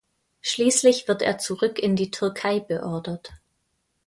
Schließlich wird er zurück in die Türkei beordert.